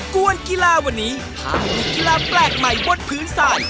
กวนกีฬาวันนี้หากมีกีฬาแปลกใหม่บนพื้นทราย